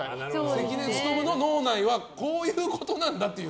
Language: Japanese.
関根勤の脳内はこういうことなんだという。